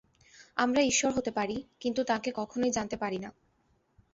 আমরা ঈশ্বর হতে পারি, কিন্তু তাঁকে কখনই জানতে পারি না।